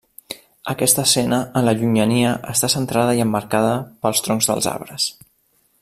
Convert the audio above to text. Aquesta escena en la llunyania està centrada i emmarcada pels troncs dels arbres.